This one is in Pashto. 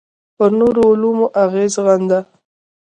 پر نورو علومو اغېز ښنده.